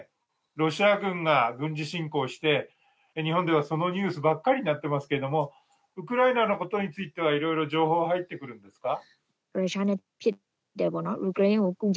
ロシア軍が軍事侵攻して日本ではそのニュースばっかりになってますけれどもウクライナのことについては色々情報入ってくるんですか？